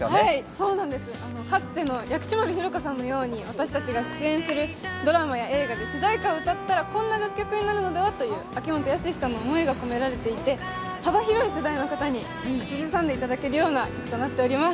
そうなんです、かつての薬師丸ひろ子さんのように、私たちが出演するドラマや映画で主題歌を歌ったらこんな楽曲になるのではという秋元康さんの思いが込められていて幅広い世代の方に、口ずさんでいただけるような曲となっています。